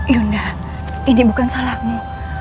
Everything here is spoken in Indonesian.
yunda ini bukan salahmu